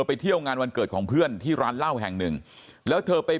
ไปเที่ยวงานวันเกิดของเพื่อนที่ร้านเหล้าแห่งหนึ่งแล้วเธอไป